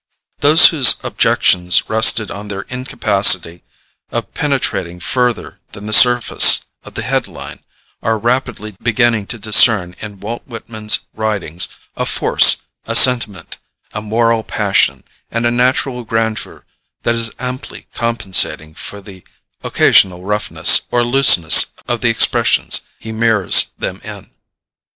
Those whose objections rested on their incapacity of penetrating further than the surface of the headline are rapidly beginning to discern in Walt Whitman's writings a force, a sentiment, a moral passion, and a natural grandeur that is amply compensating for the occasional roughness or looseness of the expressions he mirrors them in.